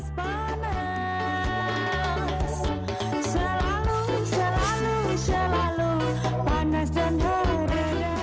selalu selalu selalu panas dan muda